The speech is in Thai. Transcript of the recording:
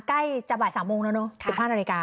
ใกล้จะบ่ายสามโมงแล้วเนอะสิบพันธุ์นาฬิกา